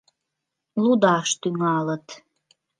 Лудаш тӱҥалыт.